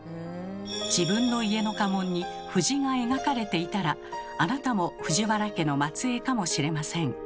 自分の家の家紋に藤が描かれていたらあなたも藤原家の末えいかもしれません。